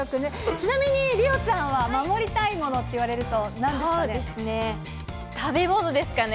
ちなみに梨央ちゃんは、護りたいものって言われると、なんですかね。